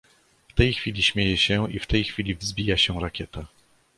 W tej chwili śmieje się i w tej chwili wzbija się rakieta.